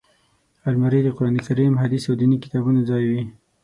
الماري د قران کریم، حدیث او ديني کتابونو ځای وي